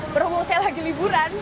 berhubung saya lagi liburan